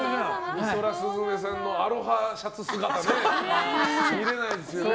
美空すずめさんのアロハシャツ姿ですね。